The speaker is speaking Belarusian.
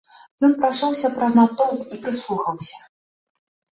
Ён прайшоўся праз натоўп і прыслухаўся.